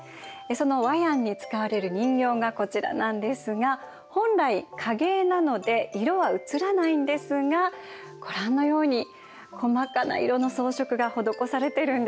そのワヤンに使われる人形がこちらなんですが本来影絵なので色は写らないんですがご覧のように細かな色の装飾が施されてるんです。